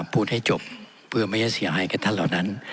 พูดให้จบเพื่อไม่ให้เสียหายกับท่านเหล่านั้น